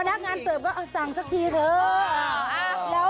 นักงานเสิร์ฟก็เอาสั่งสักทีเถอะ